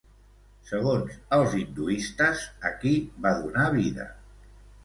Segons els hinduistes, a qui va donar vida?